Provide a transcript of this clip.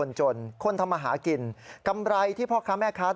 โรงพักโรงพักโรงพัก